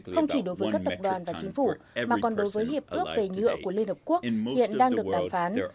không chỉ đối với các tập đoàn và chính phủ mà còn đối với hiệp ước về nhựa của liên hợp quốc hiện đang được đàm phán